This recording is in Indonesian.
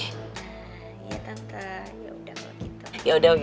iya tante ya udah kalo gitu